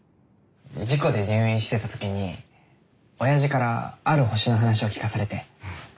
事故で入院してた時におやじからある星の話を聞かされて。